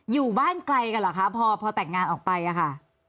อยู่บ้านไกลกันเหรอคะพอแต่งงานออกไปอะค่ะ